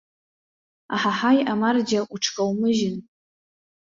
Аҳаҳаи, амарџьа, уҽкаумыжьын.